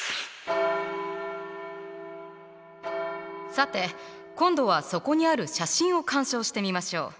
さて今度はそこにある写真を鑑賞してみましょう。